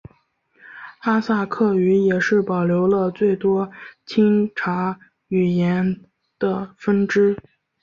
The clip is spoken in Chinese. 哈萨克语也是保留了最多钦察语言的分支。